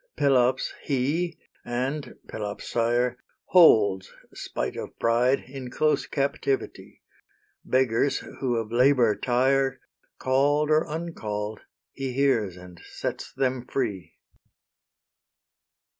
Pelops he and Pelops' sire Holds, spite of pride, in close captivity; Beggars, who of labour tire, Call'd or uncall'd, he hears and sets them free.